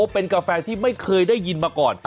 เป็นกาแฟที่ไม่เคยได้ยินมาก่อน